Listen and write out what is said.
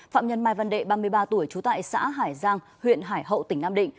phạm nhân mai văn đệ ba mươi ba tuổi trú tại xã hải giang huyện hải hậu tỉnh nam định